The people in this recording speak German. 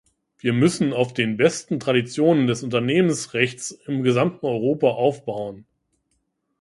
Wir müssen auf den besten Traditionen des Unternehmensrechts im gesamten Europa aufbauen.